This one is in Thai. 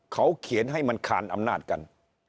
เขาเขียนให้มันคานอำนาจกัน